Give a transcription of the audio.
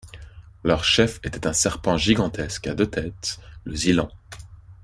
Leur chef était un serpent gigantesque à deux têtes, le Zilant.